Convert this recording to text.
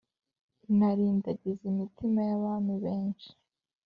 inarindagiza imitima y’abami benshi